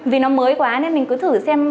vì nó mới quá nên mình cứ thử xem